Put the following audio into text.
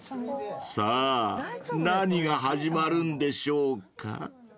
［さぁ何が始まるんでしょうか？］